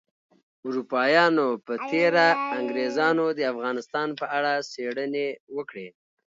اروپایانو په تیره انګریزانو د افغانستان په اړه څیړنې وکړې